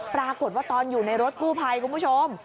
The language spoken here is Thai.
ปรากฏว่าตอนอยู่ในรถกู้ภัยคุณผู้ชม